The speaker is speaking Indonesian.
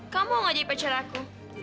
kamu mau jadi pacar aku